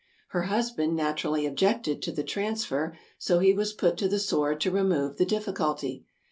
Her husband naturally objected to the transfer, so he was put to the sword to remove the difficulty.